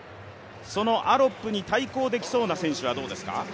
そのアロップに対抗できそうな選手はどうですか。